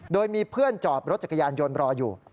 โดยมีเพื่อนจอดรถจักรยานยนต์รออยู่